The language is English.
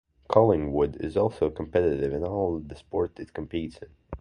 Collingwood is also competitive in all of the sports it competes in.